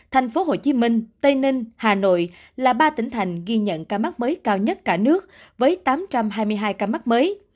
thành phố hồ chí minh tây ninh hà nội là ba tỉnh thành ghi nhận ca mắc mới cao nhất cả nước với tám trăm hai mươi hai ca mắc mới